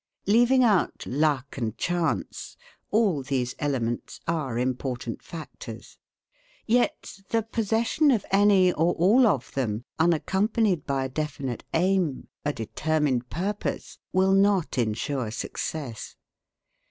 Leaving out luck and chance, all these elements are important factors. Yet the possession of any or all of them, unaccompanied by a definite aim, a determined purpose, will not insure success.